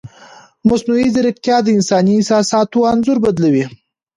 مصنوعي ځیرکتیا د انساني احساساتو انځور بدلوي.